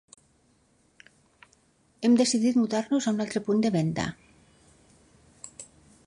Hem decidit mudar-nos a un altre punt de venta.